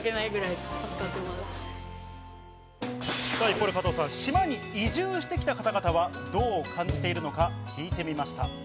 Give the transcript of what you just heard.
一方で加藤さん、島に移住してきた方々はどう感じているのか聞いてみました。